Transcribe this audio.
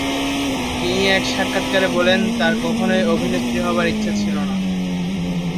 তিনি এক সাক্ষাতকারে বলেন, তার কখনোই অভিনেত্রী হবার ইচ্ছা ছিল না।